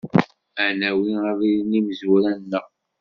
Ad nawi abrid n yimezwura-nneɣ.